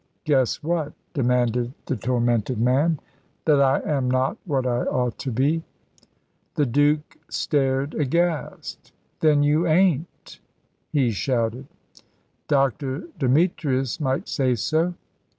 "Guess what?" demanded the tormented man. "That I am not what I ought to be." The Duke stared aghast. "Then you ain't t" he shouted. "Dr. Demetrius might say so."